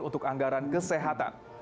untuk anggaran kesehatan